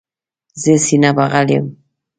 زه سینه بغل یم.